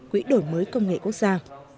quỹ đổi mới công nghệ quốc gia